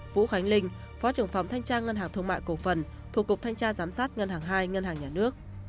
vũ khánh linh phó trưởng phòng thanh tra ngân hàng thương mại cổ phần thuộc cục thanh tra giám sát ngân hàng hai ngân hàng nhà nước